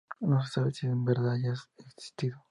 No se sabe si en verdad haya existido.